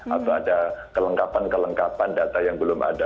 atau ada kelengkapan kelengkapan data yang belum ada